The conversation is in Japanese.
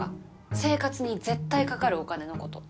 生活に絶対かかるお金のこと。